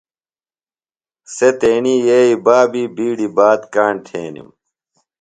سےۡ تیݨی یئی بابی بِیڈیۡ بات کاݨ تھینِم۔